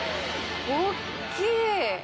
大っきい！